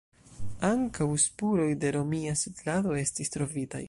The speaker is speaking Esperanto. Ankaŭ spuroj de romia setlado estis trovitaj.